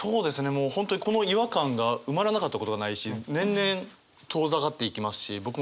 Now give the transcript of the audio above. もう本当にこの違和感が埋まらなかったことがないし年々遠ざかっていきますし僕も４２あっもう４３だ。